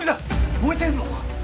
燃えているのか！？